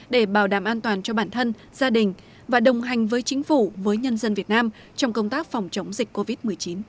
để bảo đảm an toàn cho bản thân gia đình và đồng hành với chính phủ với nhân dân việt nam trong công tác phòng chống dịch covid một mươi chín